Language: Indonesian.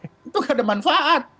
itu tidak ada manfaat